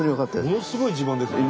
ものすごい自慢ですよね。